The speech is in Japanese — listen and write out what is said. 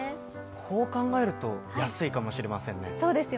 こう考えると安いかもしれませんね。